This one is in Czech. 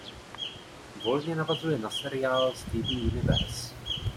Volně navazuje na seriál "Steven Universe".